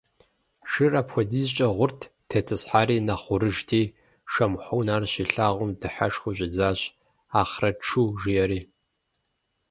Шыр апхуэдизкӀэ гъурт, тетӀысхьари нэхъ гъурыжти, Шамхьун ар щилъагъум, дыхьэшхыу щӀидзащ, «Ахърэт шу» жиӀэри.